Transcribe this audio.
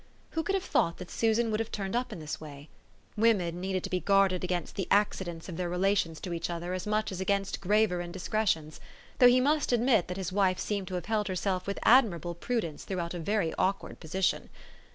Who could have thought that Susan would have turned up in this way ? Women needed to be guarded against the accidents of their rela tions to each other as much as against graver in discretions ; though he must admit that his wife seemed to have held herself with admirable prudence throughout a very awkward position.